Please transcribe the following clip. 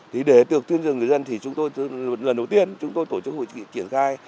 thì để được tuyên truyền người dân thì lần đầu tiên chúng tôi tổ chức hội triển khai